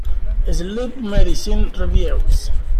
Sleep Medicine Reviews.